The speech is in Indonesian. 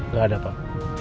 gak ada pak